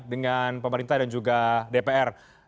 dengan pemerintah dan juga dpr